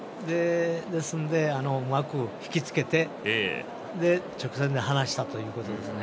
うまく引き付けて直線で離したということですね。